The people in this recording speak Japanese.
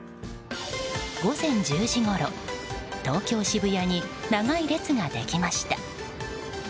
午前１０時ごろ、東京・渋谷に長い列ができました。